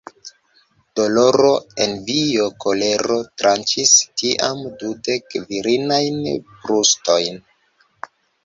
Doloro, envio, kolero tranĉis tiam dudek virinajn brustojn.